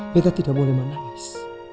beta tidak boleh menangis